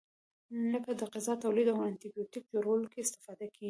لکه د غذا تولید او انټي بیوټیک جوړولو کې استفاده کیږي.